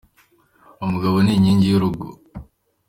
Umugabo ni inkingi y'urugo